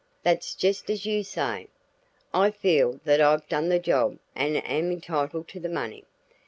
"That's just as you say. I feel that I've done the job and am entitled to the money.